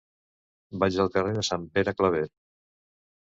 Vaig al carrer de Sant Pere Claver.